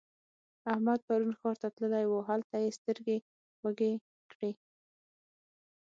احمد پرون ښار ته تللی وو؛ هلته يې سترګې خوږې کړې.